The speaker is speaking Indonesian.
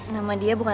nama itu apa